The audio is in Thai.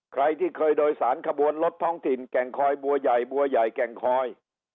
ใครที่เคยโดยสารขบวนรถท้องถิ่นแก่งคอยบัวใหญ่บัวใหญ่แก่งคอย